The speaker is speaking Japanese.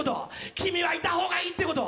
君はいた方がいいってこと。